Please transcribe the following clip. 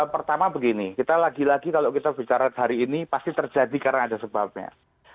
pertama begini kita lagi lagi kalau kita bicara hari ini pasti terjadi karena ada sebabnya